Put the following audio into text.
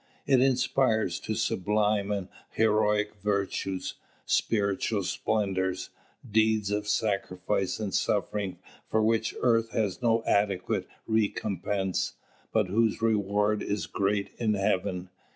It inspires to sublime and heroic virtues, spiritual splendours, deeds of sacrifice and suffering for which earth has no adequate recompense, but whose reward is great in heaven.